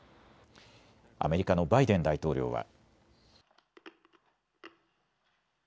アメリカのバイデン大統領は。